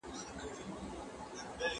که نجونې مسلمانې وي نو دین به نه کمزوری کیږي.